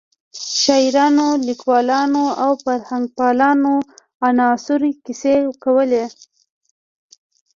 د شاعرانو، لیکوالو او فرهنګپالو عناصرو کیسې کولې.